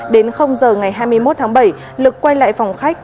đến giờ ngày hai mươi một tháng bảy lực quay lại phòng khách